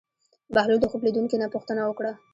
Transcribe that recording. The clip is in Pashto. بهلول د خوب لیدونکي نه پوښتنه وکړه.